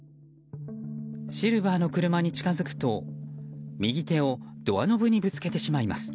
シルバーの車に近づくと右手をドアノブにぶつけてしまいます。